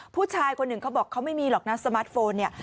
ผู้ชายคนหนึ่งเขาบอกเขาไม่มีหรอกนะสมาร์ทโฟนเนี่ย